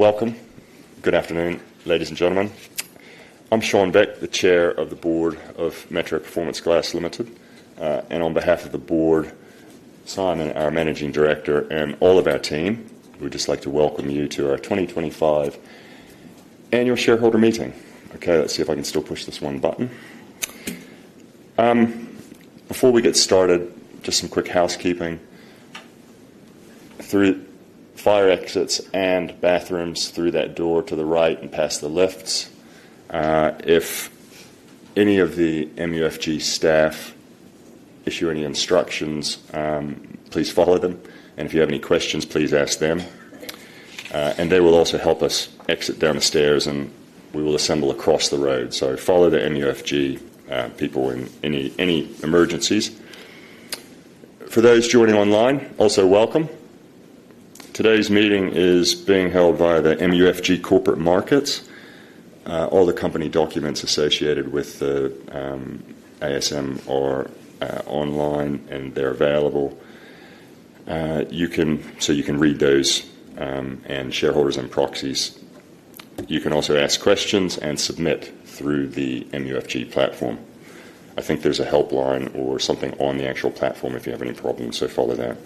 Welcome. Good afternoon, ladies and gentlemen. I'm Shawn Beck, the Chair of the Board of Metro Performance Glass Limited. On behalf of the Board, Simon, our Managing Director, and all of our team, we'd just like to welcome you to our 2025 Annual Shareholder Meeting. Okay, let's see if I can still push this one button. Before we get started, just some quick housekeeping. Fire exits and bathrooms are through that door to the right and past the lifts. If any of the MUFG staff issue any instructions, please follow them. If you have any questions, please ask them. They will also help us exit down the stairs, and we will assemble across the road. Follow the MUFG people in any emergencies. For those joining online, also welcome. Today's meeting is being held via the MUFG Corporate Markets. All the company documents associated with the ASM are online, and they're available. You can read those, and shareholders and proxies, you can also ask questions and submit through the MUFG platform. I think there's a helpline or something on the actual platform if you have any problems, so follow that.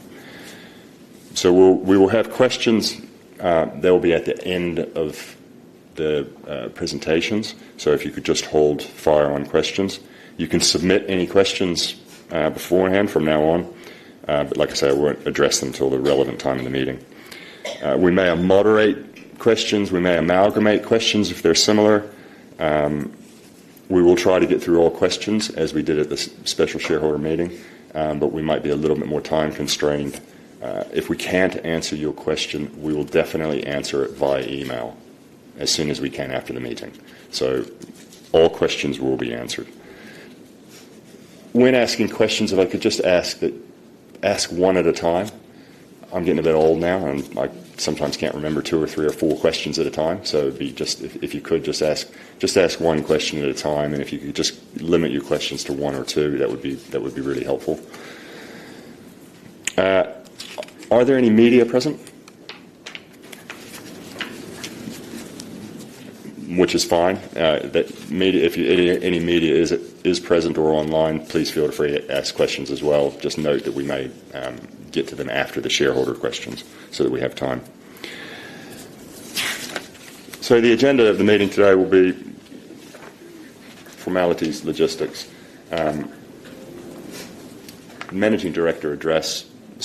We will have questions at the end of the presentations. If you could just hold fire on questions, you can submit any questions beforehand from now on. Like I said, I won't address them till the relevant time in the meeting. We may moderate questions. We may amalgamate questions if they're similar. We will try to get through all questions as we did at the Special Shareholder Meeting, but we might be a little bit more time constrained. If we can't answer your question, we will definitely answer it via email as soon as we can after the meeting. All questions will be answered. When asking questions, if I could just ask that you ask one at a time. I'm getting a bit old now, and I sometimes can't remember two or three or four questions at a time. If you could just ask one question at a time, and if you could just limit your questions to one or two, that would be really helpful. Are there any media present? Which is fine. If any media is present or online, please feel free to ask questions as well. Just note that we may get to them after the shareholder questions so that we have time. The agenda of the meeting today will be formalities, logistics, Managing Director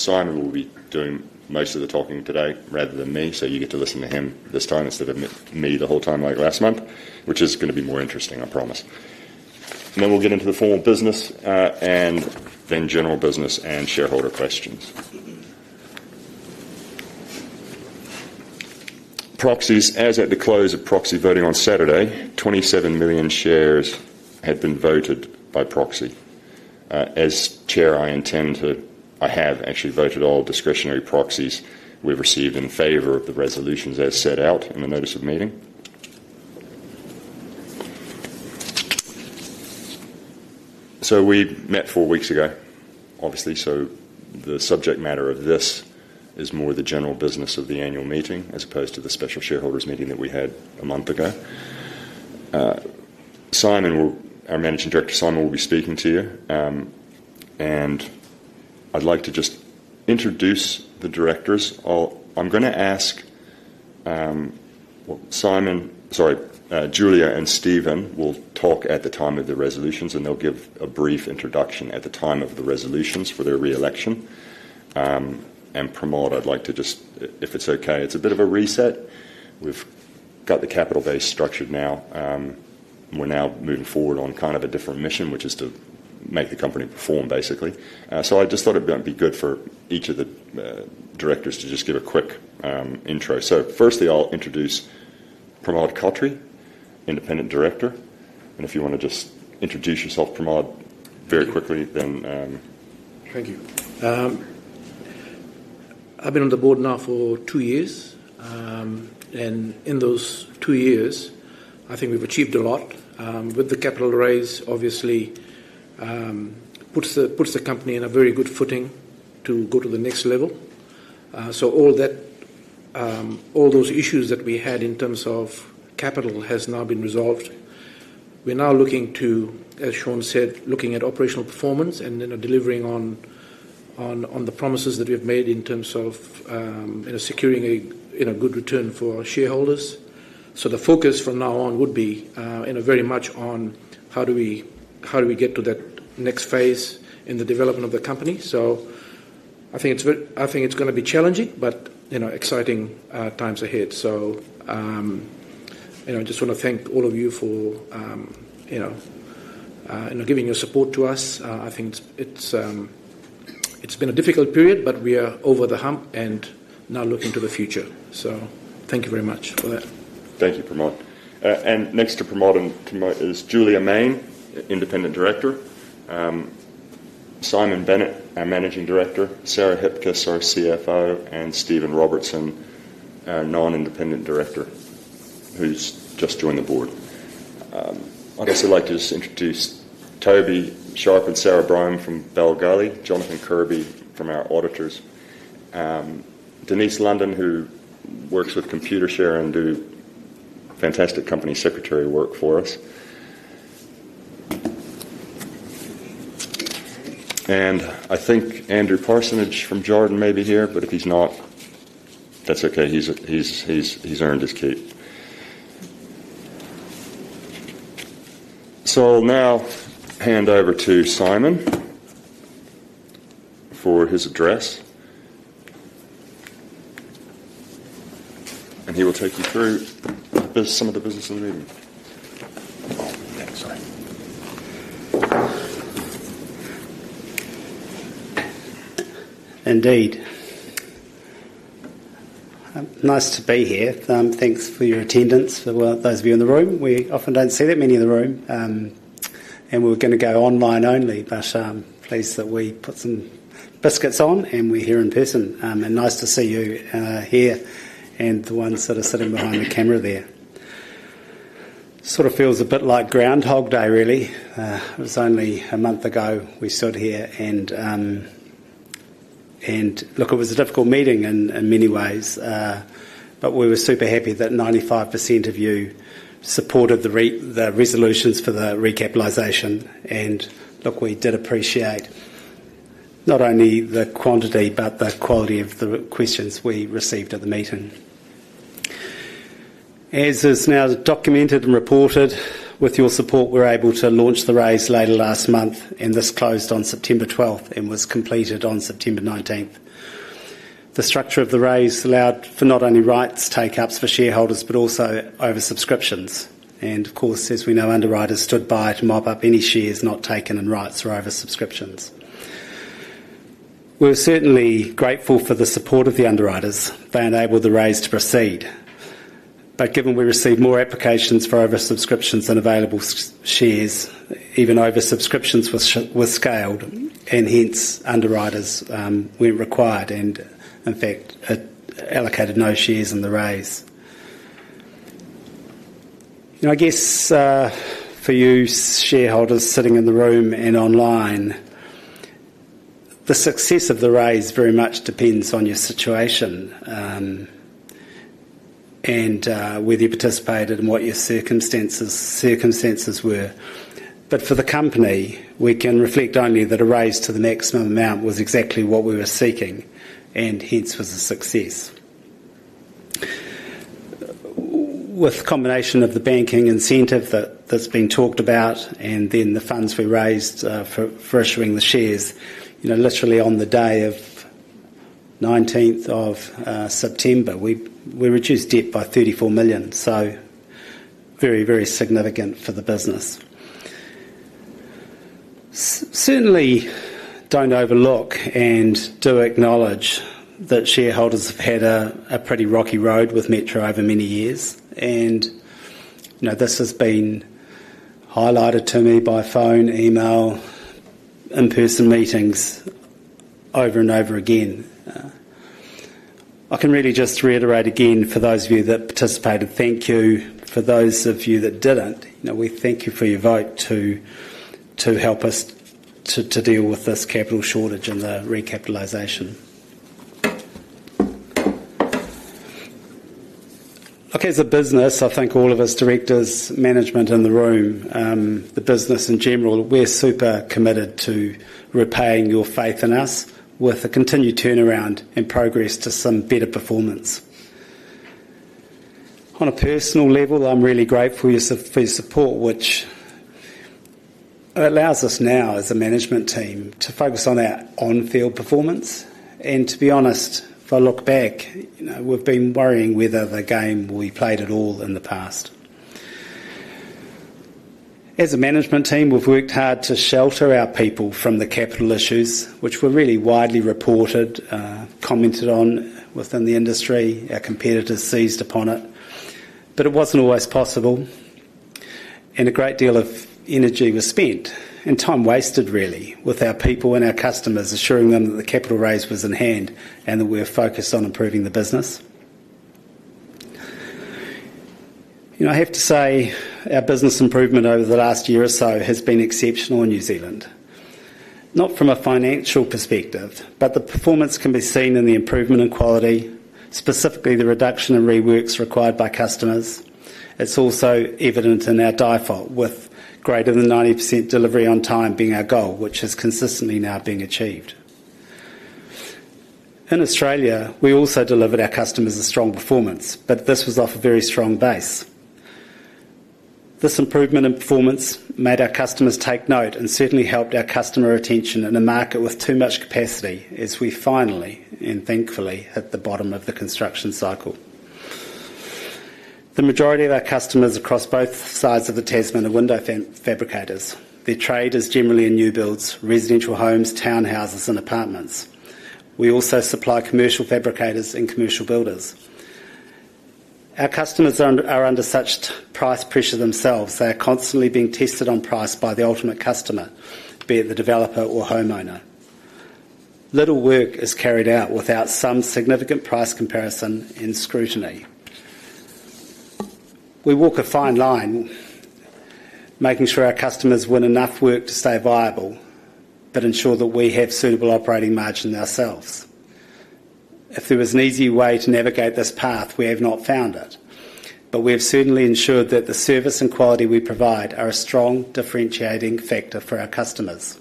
address. Simon will be doing most of the talking today rather than me, so you get to listen to him this time instead of me the whole time like last month, which is going to be more interesting, I promise. We'll get into the formal business and then general business and shareholder questions. Proxies, as at the close of proxy voting on Saturday, 27 million shares had been voted by proxy. As Chair, I intend to, I have actually voted all discretionary proxies we've received in favor of the resolutions as set out in the notice of meeting. We met four weeks ago, obviously, so the subject matter of this is more the general business of the annual meeting as opposed to the Special Shareholders Meeting that we had a month ago. Simon, our Managing Director, Simon will be speaking to you. I'd like to just introduce the directors. I'm going to ask Simon, sorry, Julia and Stephen will talk at the time of the resolutions, and they'll give a brief introduction at the time of the resolutions for their reelection. Pramod, I'd like to just, if it's okay, it's a bit of a reset. We've got the capital base structured now. We're now moving forward on kind of a different mission, which is to make the company perform, basically. I just thought it'd be good for each of the directors to just give a quick intro. Firstly, I'll introduce Pramod Khatri, Independent Director. If you want to just introduce yourself, Pramod, very quickly, then. Thank you. I've been on the board now for two years. In those two years, I think we've achieved a lot. With the capital raise, obviously, it puts the company in a very good footing to go to the next level. All those issues that we had in terms of capital have now been resolved. We're now looking to, as Shawn said, looking at operational performance and then delivering on the promises that we've made in terms of securing a good return for shareholders. The focus from now on would be very much on how do we get to that next phase in the development of the company. I think it's going to be challenging, but exciting times ahead. I just want to thank all of you for giving your support to us. I think it's been a difficult period, but we are over the hump and now looking to the future. Thank you very much for that. Thank you, Pramod. Next to Pramod is Julia Mayne, Independent Director, Simon Bennett, our Managing Director, Sarah Hipkiss, our CFO, and Stephen Robertson, our Non-independent Director, who's just joined the board. I'd also like to introduce Toby, Sharuk, and Sarah Bryan from Bell Gully, Jonathan Kirby from our auditors, Denise London, who works with Computershare and does fantastic company secretary work for us. I think Andrew Paterson from Jordan may be here, but if he's not, that's okay. He's earned his keep. I'll now hand over to Simon for his address. He will take you through some of the business of the meeting. Indeed. Nice to be here. Thanks for your attendance. For those of you in the room, we often don't see that many in the room. We're going to go online only, but pleased that we put some biscuits on and we're here in person. Nice to see you here and the ones that are sitting behind the camera there. Sort of feels a bit like Groundhog Day, really. It was only a month ago we stood here and look, it was a difficult meeting in many ways. We were super happy that 95% of you supported the resolutions for the recapitalization. We did appreciate not only the quantity but the quality of the questions we received at the meeting. As is now documented and reported, with your support, we were able to launch the raise later last month. This closed on September 12th and was completed on September 19th. The structure of the raise allowed for not only rights take-ups for shareholders but also oversubscriptions. Of course, as we know, underwriters stood by to mop up any shares not taken in rights or oversubscriptions. We're certainly grateful for the support of the underwriters. They enabled the raise to proceed. Given we received more applications for oversubscriptions than available shares, even oversubscriptions were scaled. Hence, underwriters weren't required and, in fact, allocated no shares in the raise. I guess for you, shareholders sitting in the room and online, the success of the raise very much depends on your situation and whether you participated and what your circumstances were. For the company, we can reflect only that a raise to the maximum amount was exactly what we were seeking and hence was a success. With the combination of the banking incentive that's been talked about and then the funds we raised for issuing the shares, literally on the day of 19th of September, we reduced debt by 34 million. Very, very significant for the business. Certainly don't overlook and do acknowledge that shareholders have had a pretty rocky road with Metro over many years. This has been highlighted to me by phone, email, in-person meetings over and over again. I can really just reiterate again for those of you that participated, thank you. For those of you that didn't, we thank you for your vote to help us to deal with this capital shortage and the recapitalization. Okay, as a business, I think all of us directors, management in the room, the business in general, we're super committed to repaying your faith in us with a continued turnaround and progress to some better performance. On a personal level, I'm really grateful for your support, which allows us now as a management team to focus on our on-field performance. To be honest, if I look back, we've been worrying whether the game we played at all in the past. As a management team, we've worked hard to shelter our people from the capital issues, which were really widely reported, commented on within the industry. Our competitors seized upon it. It wasn't always possible. A great deal of energy was spent and time wasted, really, with our people and our customers assuring them that the capital raise was in hand and that we were focused on improving the business. I have to say our business improvement over the last year or so has been exceptional in New Zealand. Not from a financial perspective, but the performance can be seen in the improvement in quality, specifically the reduction in reworks required by customers. It's also evident in our diphall with greater than 90% delivery on time being our goal, which has consistently now been achieved. In Australia, we also delivered our customers a strong performance, but this was off a very strong base. This improvement in performance made our customers take note and certainly helped our customer retention in a market with too much capacity as we finally, and thankfully, hit the bottom of the construction cycle. The majority of our customers across both sides of the Tasman are window fabricators. Their trade is generally in new builds, residential homes, townhouses, and apartments. We also supply commercial fabricators and commercial builders. Our customers are under such price pressure themselves. They are constantly being tested on price by the ultimate customer, be it the developer or homeowner. Little work is carried out without some significant price comparison and scrutiny. We walk a fine line making sure our customers win enough work to stay viable but ensure that we have suitable operating margin ourselves. If there was an easy way to navigate this path, we have not found it. We have certainly ensured that the service and quality we provide are a strong differentiating factor for our customers.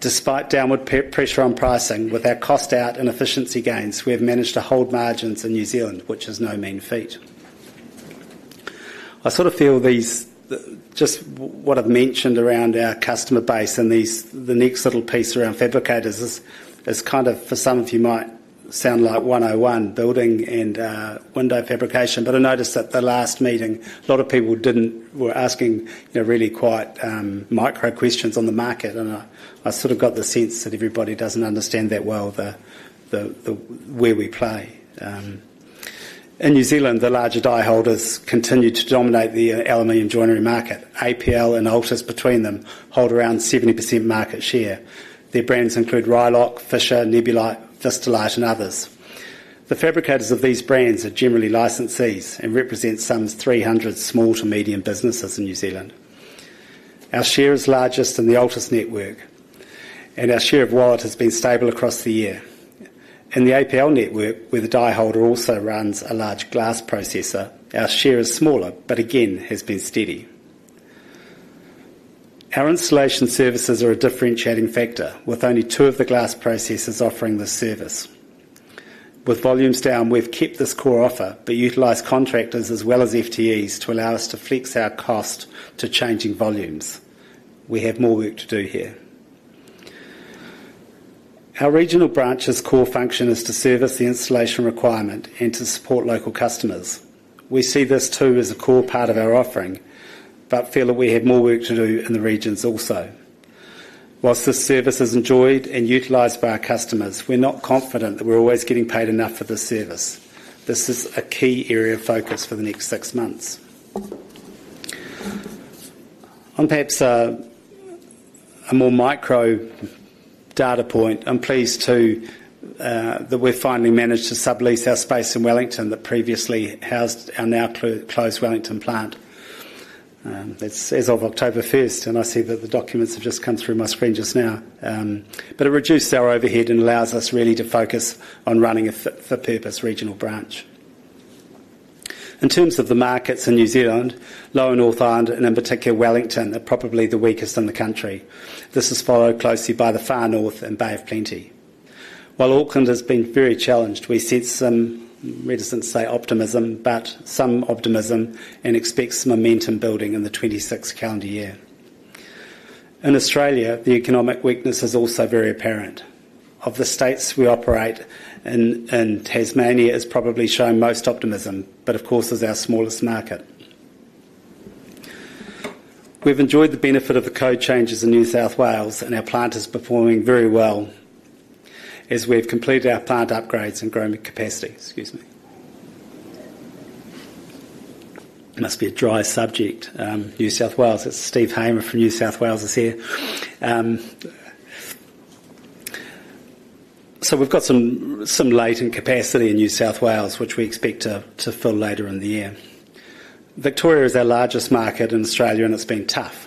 Despite downward pressure on pricing, with our cost out and efficiency gains, we have managed to hold margins in New Zealand, which is no mean feat. I feel these, just what I've mentioned around our customer base and the next little piece around fabricators, is kind of, for some of you, might sound like 101, building and window fabrication. I noticed at the last meeting, a lot of people were asking really quite micro questions on the market. I got the sense that everybody doesn't understand that well where we play. In New Zealand, the larger dieholders continue to dominate the aluminum joinery market. APL and Altus between them hold around 70% market share. Their brands include Rylock, Fisher, Nebulite, Vistalite, and others. The fabricators of these brands are generally licensees and represent some 300 small to medium businesses in New Zealand. Our share is largest in the Altus network, and our share of wallet has been stable across the year. In the APL network, where the dieholder also runs a large glass processor, our share is smaller, but again, has been steady. Our installation services are a differentiating factor, with only two of the glass processors offering this service. With volumes down, we've kept this core offer, but utilize contractors as well as FTEs to allow us to flex our cost to changing volumes. We have more work to do here. Our regional branch's core function is to service the installation requirement and to support local customers. We see this too as a core part of our offering, but feel that we have more work to do in the regions also. Whilst this service is enjoyed and utilized by our customers, we're not confident that we're always getting paid enough for this service. This is a key area of focus for the next six months. On perhaps a more micro data point, I'm pleased too that we've finally managed to sublease our space in Wellington that previously housed our now closed Wellington plant. It's as of October 1st, and I see that the documents have just come through my screen just now. It reduced our overhead and allows us really to focus on running a fit-for-purpose regional branch. In terms of the markets in New Zealand, lower North Island, and in particular Wellington, are probably the weakest in the country. This is followed closely by the Far North and Bay of Plenty. While Auckland has been very challenged, we see some, readers didn't say optimism, but some optimism and expect some momentum building in the 2026 calendar year. In Australia, the economic weakness is also very apparent. Of the states we operate in, Tasmania is probably showing most optimism, but of course is our smallest market. We've enjoyed the benefit of the code changes in New South Wales, and our plant is performing very well as we've completed our plant upgrades and grown capacity. Excuse me. Must be a dry subject. New South Wales, it's Steve Hamer from New South Wales is here. We've got some latent capacity in New South Wales, which we expect to fill later in the year. Victoria is our largest market in Australia, and it's been tough.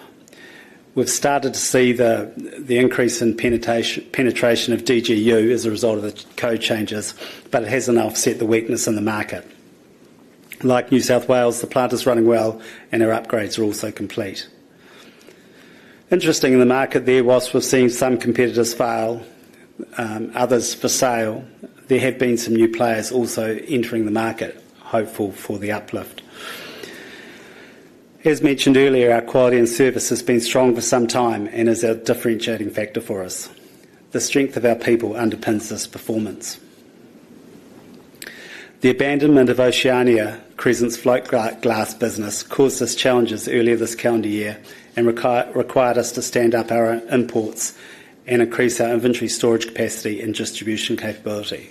We've started to see the increase in penetration of DGU as a result of the code changes, but it hasn't offset the weakness in the market. Like New South Wales, the plant is running well, and our upgrades are also complete. Interesting in the market there, whilst we're seeing some competitors fail, others for sale, there have been some new players also entering the market, hopeful for the uplift. As mentioned earlier, our quality and service has been strong for some time and is a differentiating factor for us. The strength of our people underpins this performance. The abandonment of Oceania, Crescent's float glass business, caused us challenges earlier this calendar year and required us to stand up our imports and increase our inventory storage capacity and distribution capability.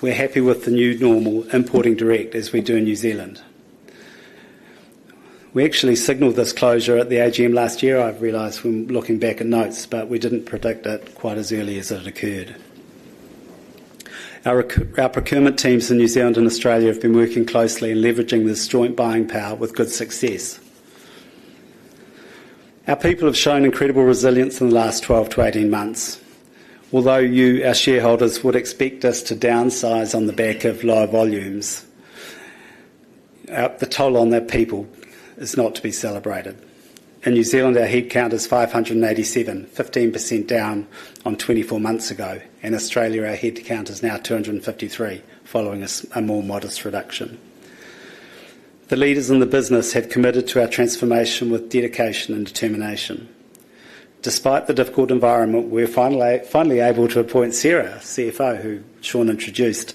We're happy with the new normal importing direct as we do in New Zealand. We actually signaled this closure at the AGM last year, I've realized from looking back at notes, but we didn't predict it quite as early as it occurred. Our procurement teams in New Zealand and Australia have been working closely and leveraging this joint buying power with good success. Our people have shown incredible resilience in the last 12-18 months. Although you, our shareholders, would expect us to downsize on the back of lower volumes, the toll on their people is not to be celebrated. In New Zealand, our headcount is 587, 15% down on 24 months ago, and Australia, our headcount is now 253, following a more modest reduction. The leaders in the business have committed to our transformation with dedication and determination. Despite the difficult environment, we're finally able to appoint Sarah, CFO, who Shawn introduced.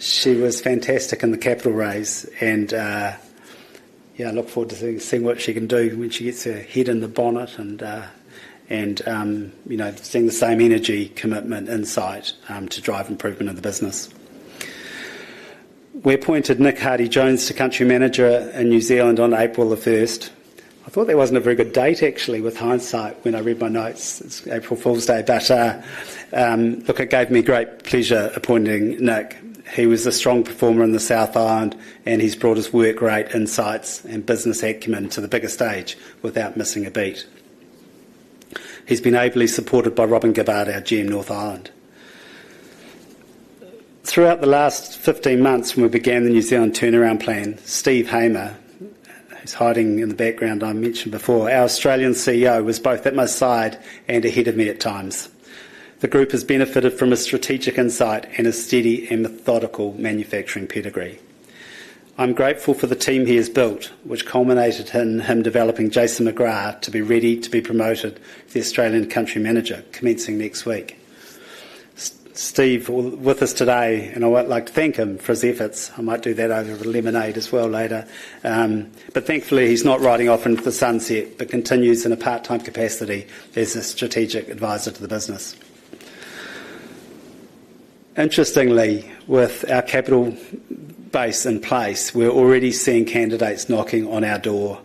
She was fantastic in the capital raise, and yeah, I look forward to seeing what she can do when she gets her head in the bonnet and seeing the same energy, commitment, insight to drive improvement in the business. We appointed Nick Hardy-Jones to Country Manager in New Zealand on April 1st. I thought that wasn't a very good date, actually, with hindsight when I read my notes. It's April Fool's Day, but look, it gave me great pleasure appointing Nick. He was a strong performer in the South Island, and he's brought his work, great insights, and business acumen to the bigger stage without missing a beat. He's been ably supported by Robyn Gibbard, our GM North Island. Throughout the last 15 months, when we began the New Zealand turnaround plan, Steve Hamer, who's hiding in the background I mentioned before, our Australian CEO, was both at my side and ahead of me at times. The group has benefited from a strategic insight and a steady and methodical manufacturing pedigree. I'm grateful for the team he has built, which culminated in him developing Jason McGrath to be ready to be promoted to the Australian Country Manager, commencing next week. Steve is with us today, and I'd like to thank him for his efforts. I might do that over a lemonade as well later. Thankfully, he's not riding off into the sunset, but continues in a part-time capacity as a Strategic Advisor to the business. Interestingly, with our capital base in place, we're already seeing candidates knocking on our door,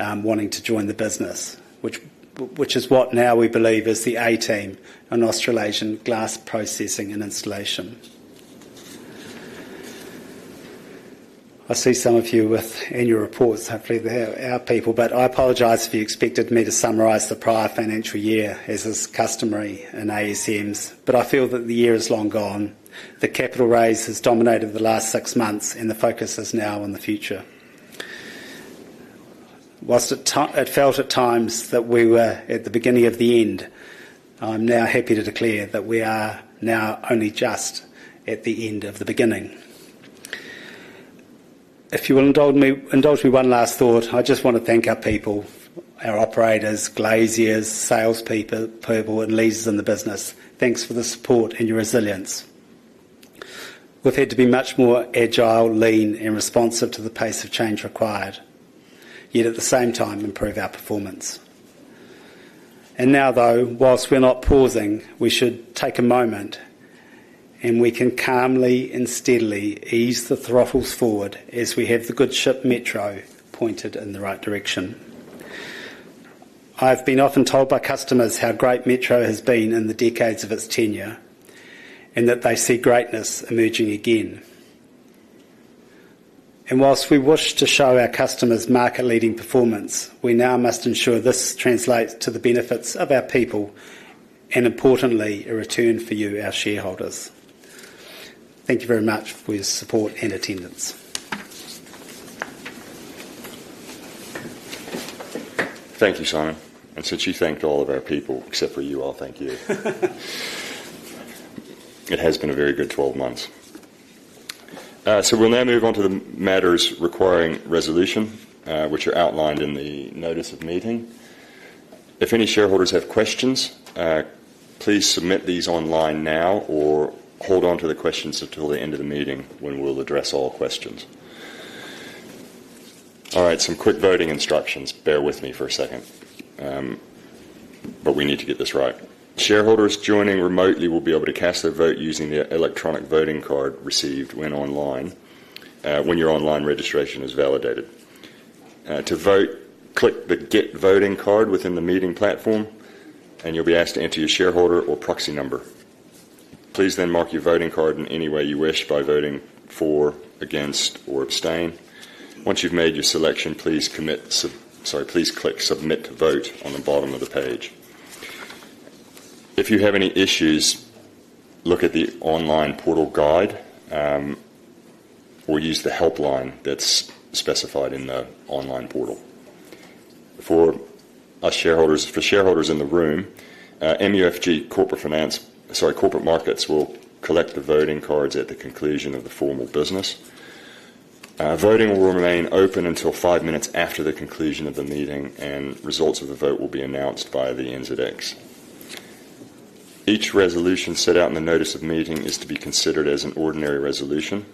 wanting to join the business, which is what now we believe is the A team in Australasian glass processing and installation. I see some of you with annual reports, hopefully they're our people, but I apologize if you expected me to summarize the prior financial year, as is customary in ASMs, but I feel that the year is long gone. The capital raise has dominated the last six months, and the focus is now on the future. Whilst it felt at times that we were at the beginning of the end, I'm now happy to declare that we are now only just at the end of the beginning. If you will indulge me one last thought, I just want to thank our people, our operators, glaziers, salespeople, and leaders in the business. Thanks for the support and your resilience. We've had to be much more agile, lean, and responsive to the pace of change required, yet at the same time, improve our performance. Though we're not pausing, we should take a moment, and we can calmly and steadily ease the throttles forward as we have the good ship Metro pointed in the right direction. I've been often told by customers how great Metro has been in the decades of its tenure, and that they see greatness emerging again. Whilst we wish to show our customers market-leading performance, we now must ensure this translates to the benefits of our people, and importantly, a return for you, our shareholders. Thank you very much for your support and attendance. Thank you, Shawn. I said she thanked all of our people, except for you all. Thank you. It has been a very good 12 months. We'll now move on to the matters requiring resolution, which are outlined in the notice of meeting. If any shareholders have questions, please submit these online now or hold on to the questions until the end of the meeting when we'll address all questions. All right, some quick voting instructions. Bear with me for a second. We need to get this right. Shareholders joining remotely will be able to cast their vote using the electronic voting card received when your online registration is validated. To vote, click the get voting card within the meeting platform, and you'll be asked to enter your shareholder or proxy number. Please then mark your voting card in any way you wish by voting for, against, or abstain. Once you've made your selection, please click submit to vote on the bottom of the page. If you have any issues, look at the online portal guide, or use the helpline that's specified in the online portal. For shareholders in the room, MUFG Corporate Markets will collect the voting cards at the conclusion of the formal business. Voting will remain open until five minutes after the conclusion of the meeting, and results of the vote will be announced by the NZX. Each resolution set out in the notice of meeting is to be considered as an ordinary resolution,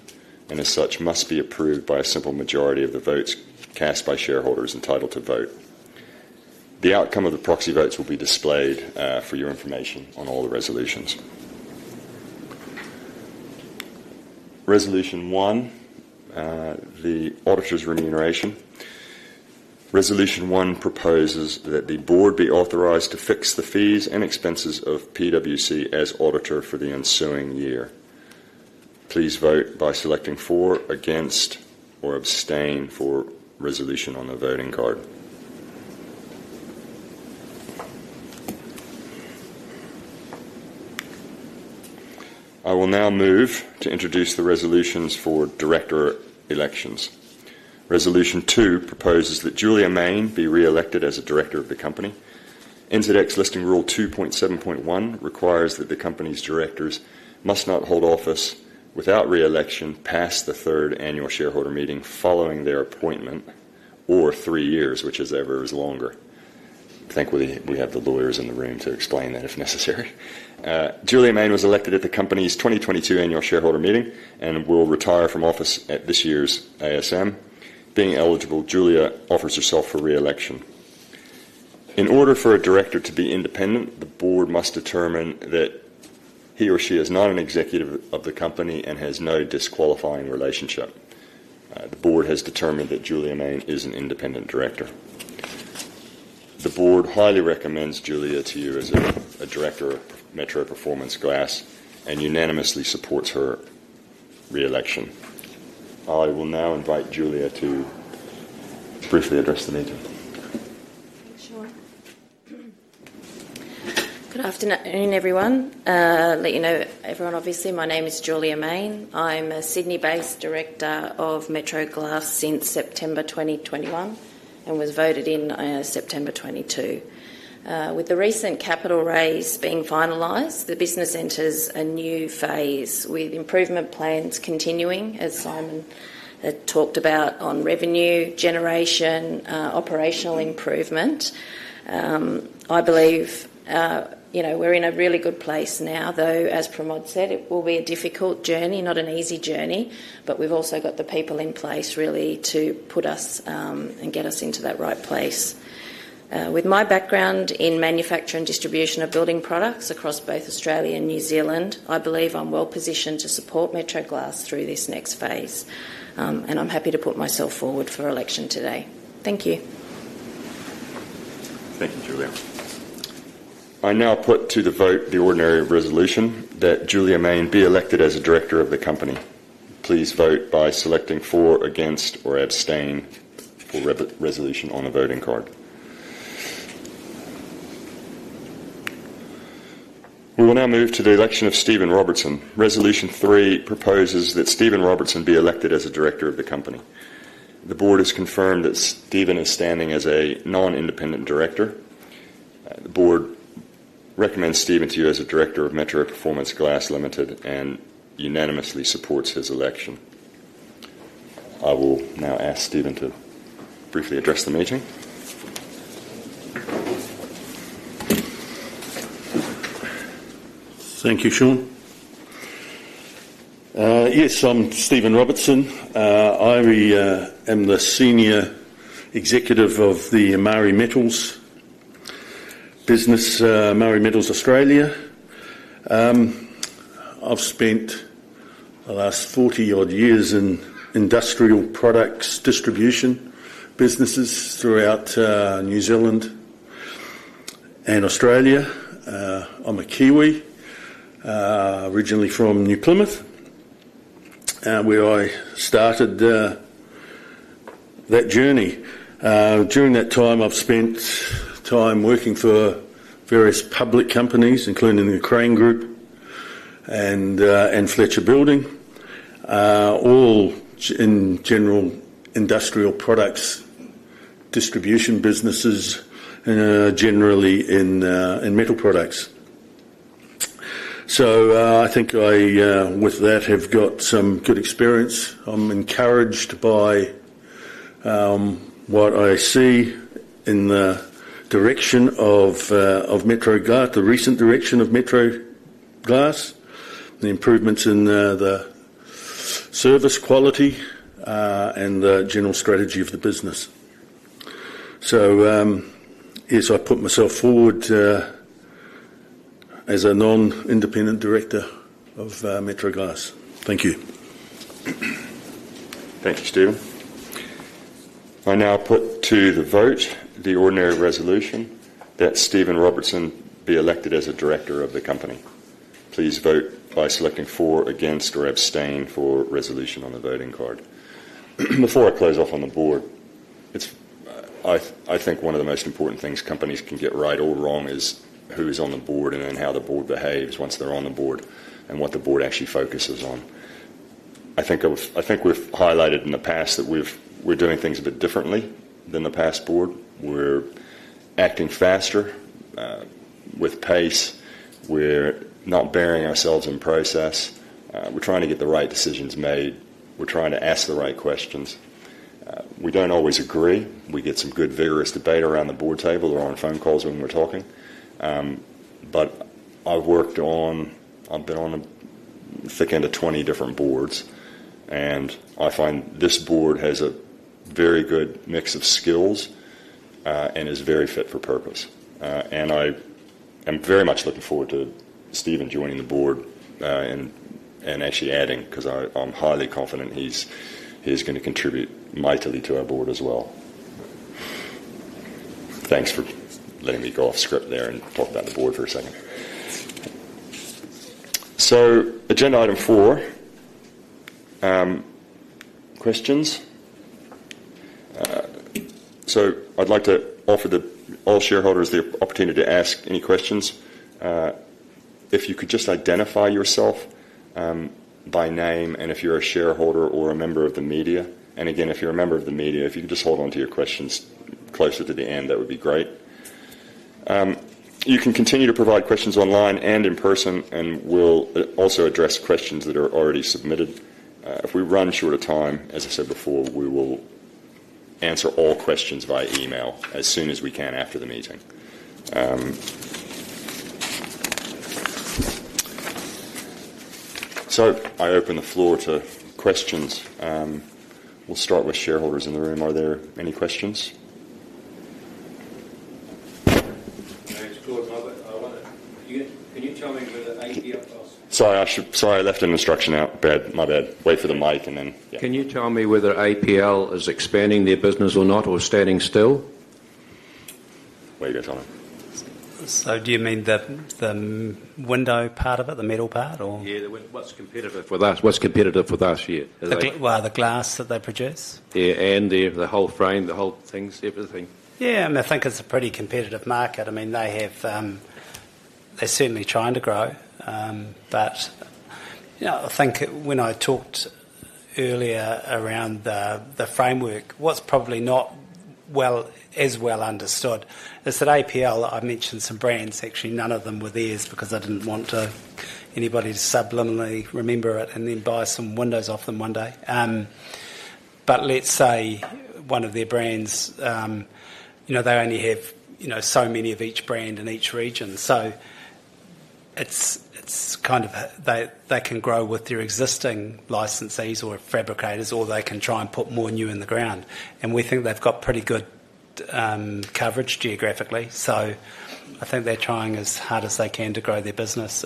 and as such, must be approved by a simple majority of the votes cast by shareholders entitled to vote. The outcome of the proxy votes will be displayed for your information on all the resolutions. Resolution one, the auditor's remuneration. Resolution one proposes that the board be authorized to fix the fees and expenses of PwC as auditor for the ensuing year. Please vote by selecting for, against, or abstain for resolution on the voting card. I will now move to introduce the resolutions for director elections. Resolution two proposes that Julia Mayne be reelected as a director of the company. NZX listing rule 2.7.1 requires that the company's directors must not hold office without reelection past the third Annual Shareholder Meeting following their appointment, or three years, whichever is longer. Thankfully, we have the lawyers in the room to explain that if necessary. Julia Mayne was elected at the company's 2022 Annual Shareholder Meeting and will retire from office at this year's ASM. Being eligible, Julia offers herself for reelection. In order for a director to be independent, the board must determine that he or she is not an executive of the company and has no disqualifying relationship. The board has determined that Julia Mayne is an Independent Director. The board highly recommends Julia to you as a director of Metro Performance Glass and unanimously supports her reelection. I will now invite Julia to briefly address the meeting. Sure. Good afternoon, everyone. Let you know, everyone, obviously, my name is Julia Mayne. I'm a Sydney-based Director of Metro Glass since September 2021 and was voted in September 2022. With the recent capital raise being finalized, the business enters a new phase with improvement plans continuing, as Simon had talked about, on revenue generation, operational improvement. I believe we're in a really good place now, though, as Pramod said, it will be a difficult journey, not an easy journey, but we've also got the people in place, really, to put us and get us into that right place. With my background in manufacturing and distribution of building products across both Australia and New Zealand, I believe I'm well positioned to support Metro Glass through this next phase, and I'm happy to put myself forward for election today. Thank you. Thank you, Julia. I now put to the vote the ordinary resolution that Julia Mayne be elected as a director of the company. Please vote by selecting for, against, or abstain for the resolution on the voting card. We will now move to the election of Stephen Robertson. Resolution three proposes that Stephen Robertson be elected as a director of the company. The Board has confirmed that Stephen is standing as a Non-independent Director. The Board recommends Stephen to you as a director of Metro Performance Glass Limited and unanimously supports his election. I will now ask Stephen to briefly address the meeting. Thank you, Shawn. Yes, I'm Stephen Robertson. I am the Senior Executive of the Marri Metals business, Marri Metals Australia. I've spent the last 40-odd years in industrial products distribution businesses throughout New Zealand and Australia. I'm a Kiwi, originally from New Plymouth, where I started that journey. During that time, I've spent time working for various public companies, including the Crane Group and Fletcher Building, all in general industrial products distribution businesses, and generally in metal products. I think I, with that, have got some good experience. I'm encouraged by what I see in the direction of Metro Glass, the recent direction of Metro Glass, the improvements in the service quality, and the general strategy of the business. Yes, I put myself forward as a Non-independent Director of Metro Glass. Thank you. Thank you, Stephen. I now put to the vote the ordinary resolution that Stephen Robertson be elected as a director of the company. Please vote by selecting for, against, or abstain for resolution on the voting card. Before I close off on the board, I think one of the most important things companies can get right or wrong is who is on the board and then how the board behaves once they're on the board and what the board actually focuses on. I think we've highlighted in the past that we're doing things a bit differently than the past board. We're acting faster, with pace. We're not burying ourselves in process. We're trying to get the right decisions made. We're trying to ask the right questions. We don't always agree. We get some good vigorous debate around the board table or on phone calls when we're talking. I've been on a thick end of 20 different boards, and I find this board has a very good mix of skills and is very fit for purpose. I am very much looking forward to Stephen joining the board and actually adding because I'm highly confident he's going to contribute mightily to our board as well. Thanks for letting me go off script there and pop that to the board for a second. Agenda item four, questions. I'd like to offer all shareholders the opportunity to ask any questions. If you could just identify yourself by name and if you're a shareholder or a member of the media. Again, if you're a member of the media, if you could just hold on to your questions closer to the end, that would be great. You can continue to provide questions online and in person, and we'll also address questions that are already submitted. If we run short of time, as I said before, we will answer all questions via email as soon as we can after the meeting. I open the floor to questions. We'll start with shareholders in the room. Are there any questions? Can you tell me whether APL. Sorry, I left an instruction out. My bad. Wait for the mic and then. Can you tell me whether APL is expanding their business or not, or standing still? What are you going to tell me? Do you mean the window part of it, the metal part, or? What's competitive with us? What's competitive with us, yeah. The glass that they produce? Yeah, the whole frame, the whole thing, everything. Yeah, I mean, I think it's a pretty competitive market. They have, they're certainly trying to grow. I think when I talked earlier around the framework, it was probably not as well understood. I said APL, I mentioned some brands, actually none of them were theirs because I didn't want anybody to subliminally remember it and then buy some windows off them one day. Let's say one of their brands, they only have so many of each brand in each region. It's kind of, they can grow with their existing licensees or fabricators, or they can try and put more new in the ground. We think they've got pretty good coverage geographically. I think they're trying as hard as they can to grow their business.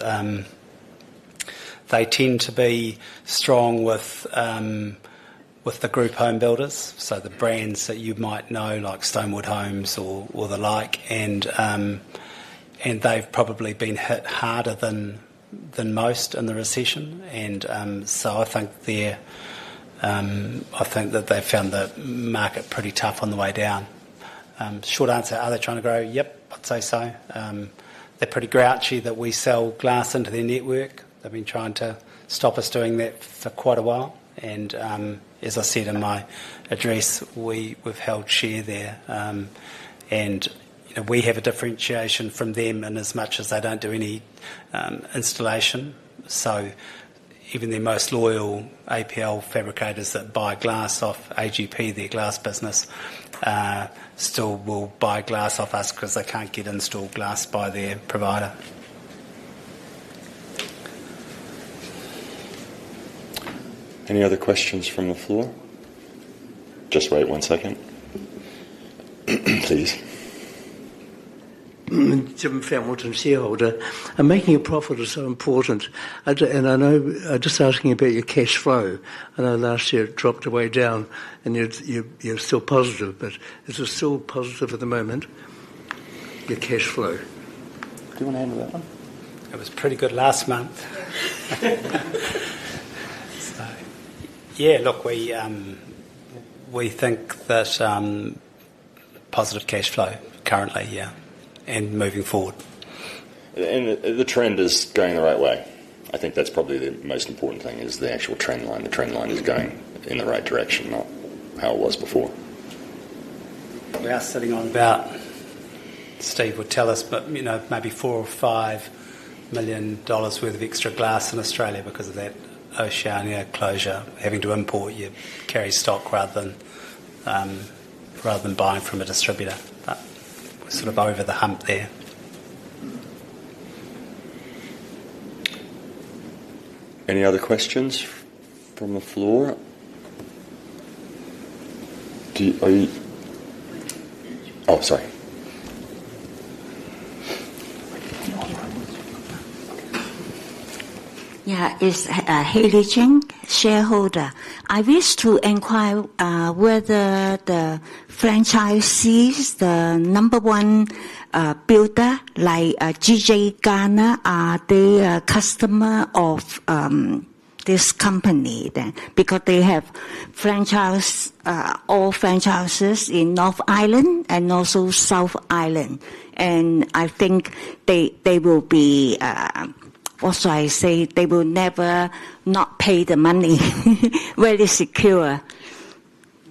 They tend to be strong with the group home builders, so the brands that you might know, like Stonewood Homes or the like. They've probably been hit harder than most in the recession. I think they've found the market pretty tough on the way down. Short answer, are they trying to grow? Yep, I'd say so. They're pretty grouchy that we sell glass into their network. They've been trying to stop us doing that for quite a while. As I said in my address, we've held share there. We have a differentiation from them in as much as they don't do any installation. Even their most loyal APL fabricators that buy glass off AGP, their glass business, still will buy glass off us because they can't get installed glass by their provider. Any other questions from the floor? Just wait one second, please. I'm making a profit is so important. I know I'm just asking you about your cash flow. I know last year it dropped way down and you're still positive, but is it still positive at the moment, your cash flow? Do you want to handle that one? It was pretty good last month. Yeah, look, we think that positive cash flow currently, yeah, and moving forward. The trend is going the right way. I think that's probably the most important thing, the actual trend line. The trend line is going in the right direction, not how it was before. We are sitting on about, Steve would tell us, but you know, maybe 4 million or 5 million dollars worth of extra glass in Australia because of that Oceania closure, having to import your carry stock rather than buying from a distributor. We're sort of over the hump there. Any other questions from the floor? Oh, sorry. Yeah, it's Hailey Ching, shareholder. I wish to inquire whether the franchisees, the number one builder, like G.J. Gardner, are they a customer of this company? They have all franchises in North Island and also South Island. I think they will be, also I say they will never not pay the money, very secure.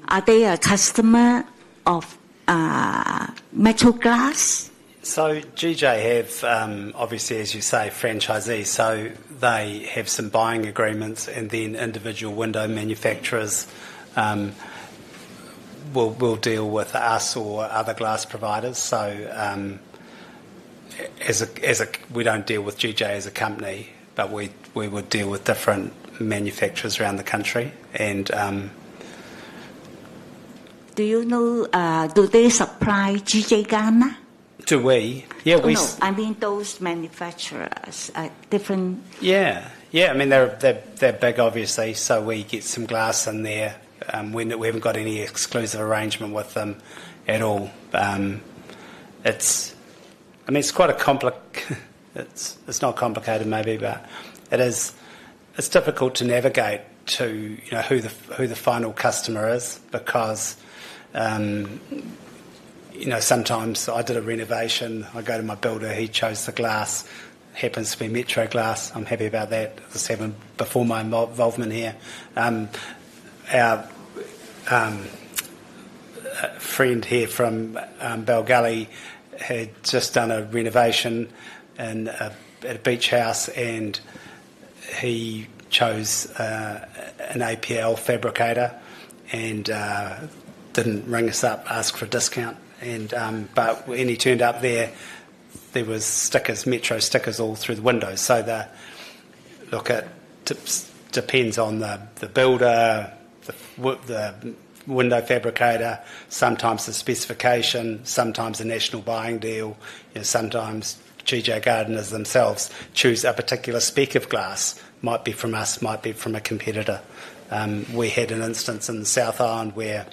Are they a customer of Metro Glass? G.J. Gardner have, obviously, as you say, franchisees. They have some buying agreements, and then individual window manufacturers will deal with us or other glass providers. We don't deal with G.J. Gardner as a company, but we would deal with different manufacturers around the country. Do you know, do they supply G.J. Gardner? Do we? Yeah, we. I mean, those manufacturers are different. Yeah, I mean, they're big, obviously. We get some glass in there. We haven't got any exclusive arrangement with them at all. It's quite a complex, it's not complicated maybe, but it is, it's difficult to navigate to who the final customer is because sometimes I did a renovation, I go to my builder, he chose the glass. Happens to be Metro Glass. I'm happy about that. This happened before my involvement here. Our friend here from Bell Gully had just done a renovation at a beach house, and he chose an APL fabricator and didn't ring us up, ask for a discount. When he turned up there, there were Metro stickers all through the windows. The look at depends on the builder, the window fabricator, sometimes the specification, sometimes the national buying deal. Sometimes G.J. Gardner themselves choose a particular spec of glass. Might be from us, might be from a competitor. We had an instance in the South Island where,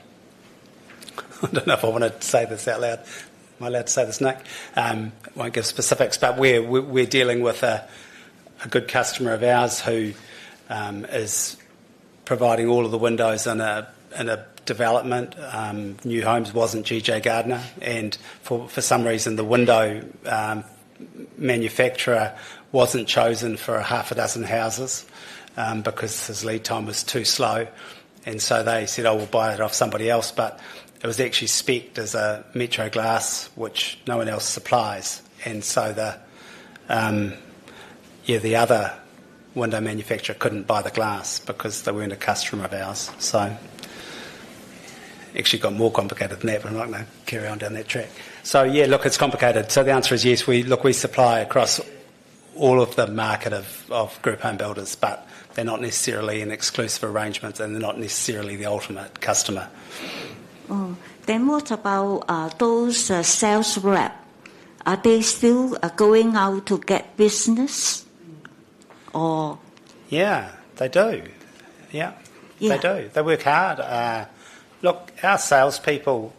I don't know if I wanted to say this out loud. Am I allowed to say this, Nick? I won't give specifics, but we're dealing with a good customer of ours who is providing all of the windows in a development. New Homes wasn't G.J. Gardner, and for some reason, the window manufacturer wasn't chosen for a half a dozen houses because his lead time was too slow. They said, "Oh, we'll buy it off somebody else." It was actually specced as a Metro Glass, which no one else supplies. The other window manufacturer couldn't buy the glass because they weren't a customer of ours. It actually got more complicated than that, but I'm not going to carry on down that track. It's complicated. The answer is yes, we supply across all of the market of group home builders, but they're not necessarily in exclusive arrangements, and they're not necessarily the ultimate customer. What about those sales reps? Are they still going out to get business? Yeah, they do. Yeah, they do. They work hard. Look, our salespeople,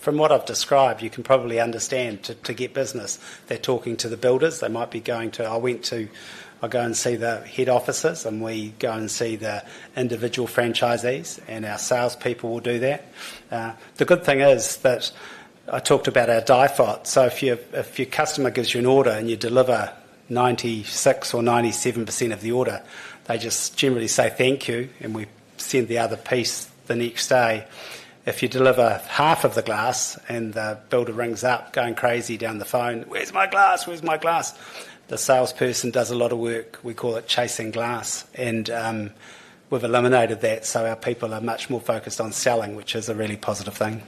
from what I've described, you can probably understand to get business. They're talking to the builders. They might be going to, I go and see the head offices, and we go and see the individual franchisees, and our salespeople will do that. The good thing is that I talked about our die fart. If your customer gives you an order and you deliver 96% or 97% of the order, they just generally say thank you, and we send the other piece the next day. If you deliver half of the glass and the builder rings up going crazy down the phone, "Where's my glass? Where's my glass?" the salesperson does a lot of work. We call it chasing glass. We've eliminated that. Our people are much more focused on selling, which is a really positive thing.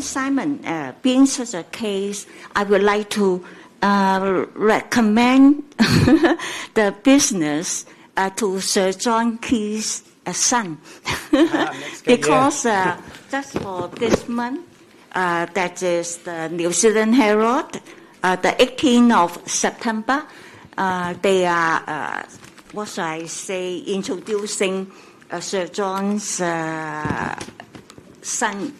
Simon, being such a case, I would like to recommend the business to Sir John Key's son because just for this month, that is the New Zealand Herald, the 18th of September, they are, what should I say, introducing Sir John's son.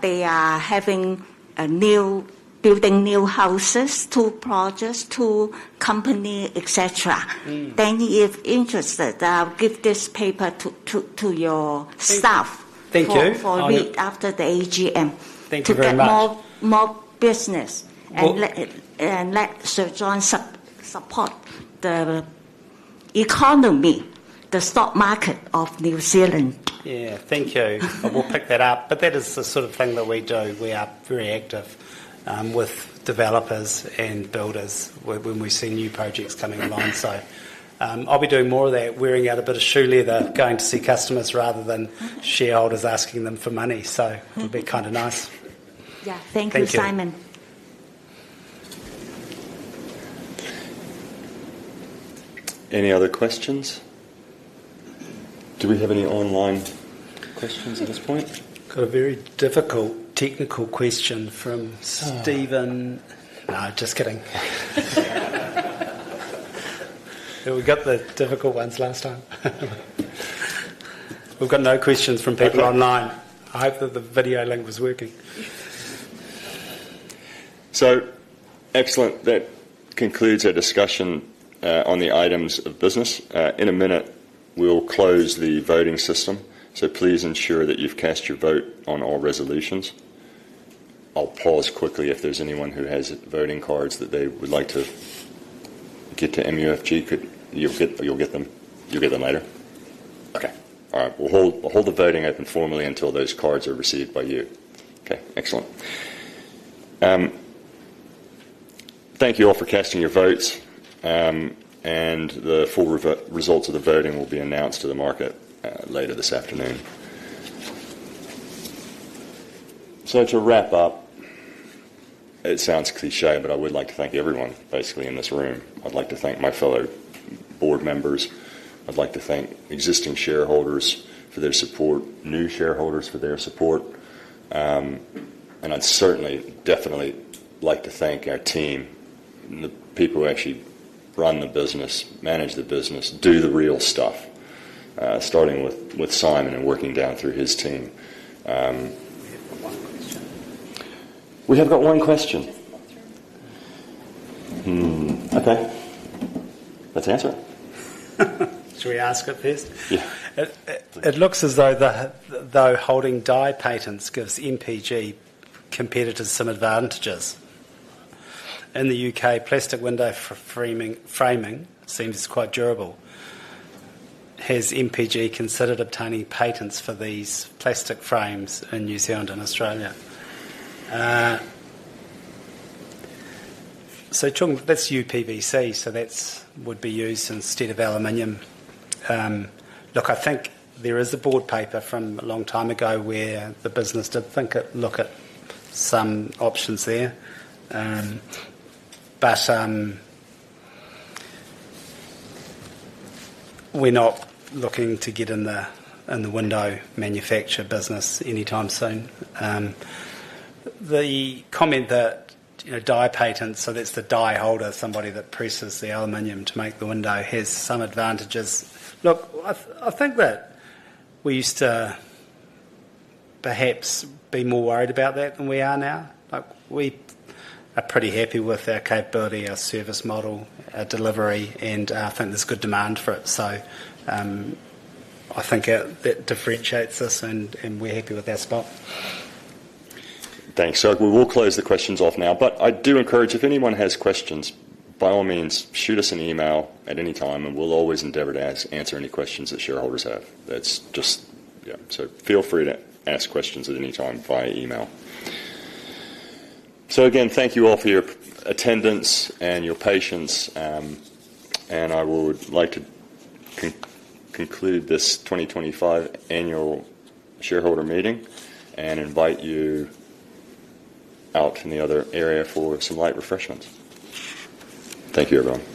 They are having a new building, new houses, two projects, two companies, etc. If interested, I'll give this paper to your staff. Thank you. For read after the AGM. Thank you very much. More business and let Sir John support the economy, the stock market of New Zealand. Thank you. I'll pick that up. That is the sort of thing that we do. We are very active with developers and builders when we see new projects coming along. I'll be doing more of that, wearing out a bit of shoe leather, going to see customers rather than shareholders asking them for money. It'll be kind of nice. Yeah, thank you, Simon. Any other questions? Do we have any online questions at this point? Got a very difficult technical question from Stephen. No, just kidding. Yeah, we got the difficult ones last time. We've got no questions from people online. I hope that the video link was working. Excellent. That concludes our discussion on the items of business. In a minute, we'll close the voting system. Please ensure that you've cast your vote on all resolutions. I'll pause quickly if there's anyone who has voting cards that they would like to get to MUFG. Could you get them? You'll get them later. All right. We'll hold the voting open formally until those cards are received by you. Excellent. Thank you all for casting your votes. The full result of the voting will be announced to the market later this afternoon. To wrap up, it sounds cliché, but I would like to thank everyone, basically, in this room. I'd like to thank my fellow board members. I'd like to thank existing shareholders for their support, new shareholders for their support. I'd certainly, definitely like to thank our team, the people who actually run the business, manage the business, do the real stuff, starting with Simon and working down through his team. We have got one question. Okay. Let's answer it. Should we ask it first? Yeah. It looks as though holding die patents gives MPG competitors some advantages. In the U.K., plastic window framing seems quite durable. Has MPG considered obtaining patents for these plastic frames in New Zealand and Australia? That's uPVC, so that would be used instead of aluminum. I think there is a board paper from a long time ago where the business did think it looked at some options there. We're not looking to get in the window manufacture business anytime soon. The comment that die patents, so that's the die holder, somebody that presses the aluminum to make the window, has some advantages. I think that we used to perhaps be more worried about that than we are now. We are pretty happy with our capability, our service model, our delivery, and I think there's good demand for it. I think that differentiates us and we're happy with our stock. Thanks. We will close the questions off now. I do encourage, if anyone has questions, by all means, shoot us an email at any time, and we'll always endeavor to answer any questions that shareholders have. Feel free to ask questions at any time via email. Again, thank you all for your attendance and your patience. I would like to conclude this 2025 Annual Shareholder Meeting and invite you out in the other area for some light refreshments. Thank you, everyone.